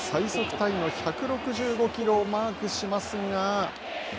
タイの１６５キロをマークしますが。